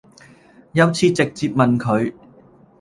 有次直接問佢